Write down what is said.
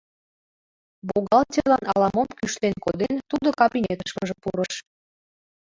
Бухгалтерлан ала-мом кӱштен коден, тудо кабинетышкыже пурыш.